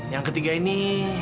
yang ketiga ini